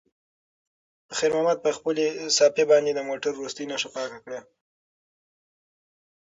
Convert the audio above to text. خیر محمد په خپلې صافې باندې د موټر وروستۍ نښه پاکه کړه.